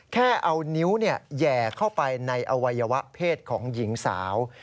แค่เอานิ้วแหย่เข้าไปในอวัยวะเพศของหญิงสาว